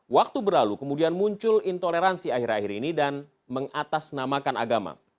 waktu berlalu kemudian muncul intoleransi akhir akhir ini dan mengatasnamakan agama